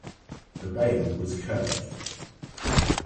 The bail was curved.